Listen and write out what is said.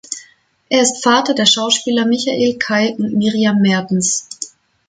Er ist der Vater der Schauspieler Michael, Kai und Miriam Maertens.